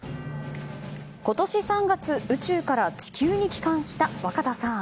今年３月宇宙から地球に帰還した若田さん。